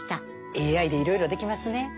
ＡＩでいろいろできますね。